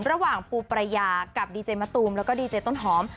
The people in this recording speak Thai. ระหว่างปูปรายากับดีเจมะตูมแล้วก็ดีเจต้นหอม